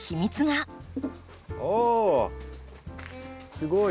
すごい！